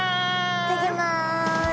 行ってきます。